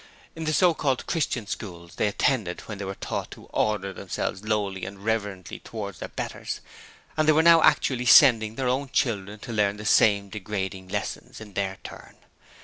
In the so called 'Christian' schools they attended then they were taught to 'order themselves lowly and reverently towards their betters', and they were now actually sending their own children to learn the same degrading lessons in their turn!